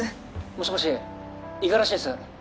もしもし五十嵐です。